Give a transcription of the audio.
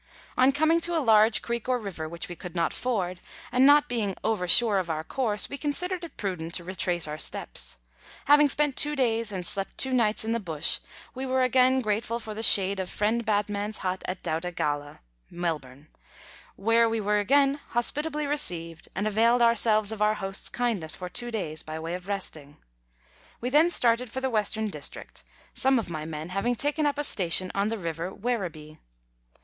On coming to a large creek or river, which we could not ford, and not being over sure of our course, we considered it prudent to retrace our steps ; having spent two days and slept two nights in the bush, we were again grateful for the shade of friend Batman's hut at Doutta Galla (Melbourne), where we were again hospitably received, and availed ourselves of our host's kindness for two days, by way of resting. We then started for the Western District, some of my men having taken up a station on the River Werribee.